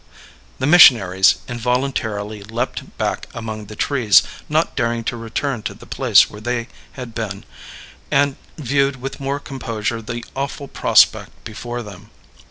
The missionaries involuntarily leaped back among the trees, not daring to return to the place where they had been, and viewed with more composure the awful prospect before them.